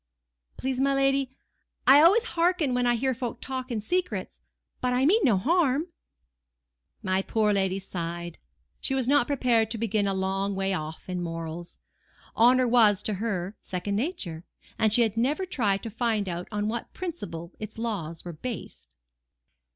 "Please, my lady, I always hearken when I hear folk talking secrets; but I mean no harm." My poor lady sighed: she was not prepared to begin a long way off in morals. Honour was, to her, second nature, and she had never tried to find out on what principle its laws were based.